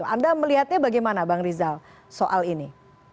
anda melihatnya bagaimana bang rizal soal ini